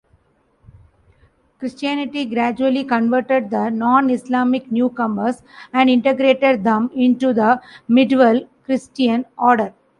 Christianity gradually converted the non-Islamic newcomers and integrated them into the medieval Christian order.